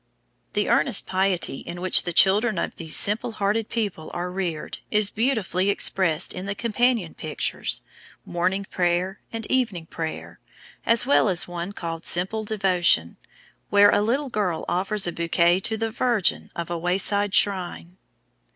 The earnest piety in which the children of these simple hearted people are reared is beautifully expressed in the companion pictures, Morning Prayer and Evening Prayer, as well as in one called Simple Devotion, where a little girl offers a bouquet to the Virgin of a wayside shrine.